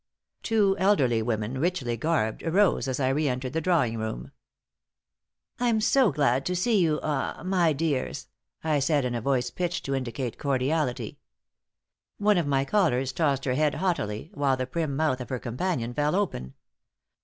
Two elderly women, richly garbed, arose as I reentered the drawing room. "I'm so glad to see you ah my dears," I said, in a voice pitched to indicate cordiality. One of my callers tossed her head haughtily, while the prim mouth of her companion fell open.